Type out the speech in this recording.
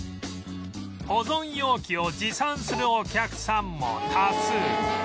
保存容器を持参するお客さんも多数